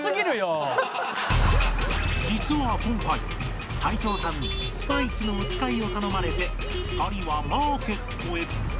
実は今回齋藤さんにスパイスのお使いを頼まれて２人はマーケットへ